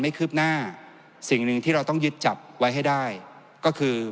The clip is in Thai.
คืบหน้าสิ่งหนึ่งที่เราต้องยึดจับไว้ให้ได้ก็คือ